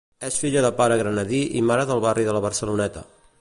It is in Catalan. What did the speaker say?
És filla de pare granadí i mare del barri de la Barceloneta.